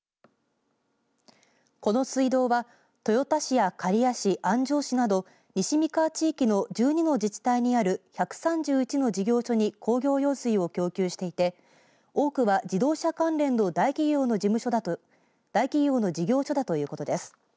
この水道は豊田市や刈谷市、安城市など西三河地区の１２の自治体にある１３１の事業所に工業用水を供給していて多くは自動車関連の大企業の事業所だということです。